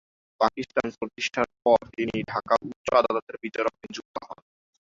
পাকিস্তান প্রতিষ্ঠার পর তিনি ঢাকা উচ্চ আদালতের বিচারক নিযুক্ত হন।